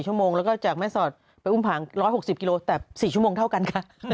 เอ้ย๔ชั่วโมงแล้วก็จากแม่ศอดไปอุ่มผ่าน๑๖๐กิโลแต่๔ชั่วโมงเท่ากันครับ